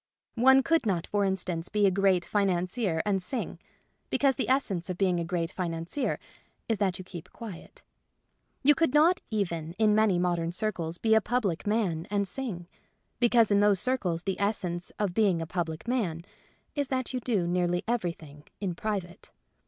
One could not, for instance, be a great financier and sing ; because the essence of being a great financier is that you keep quiet. You could not even in many modern circles be a public man and sing ; because in those circles the essence of be ing a public man is that you do nearly everything in private.